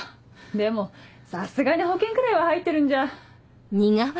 でもさすがに保険くらいは入ってるんじゃ？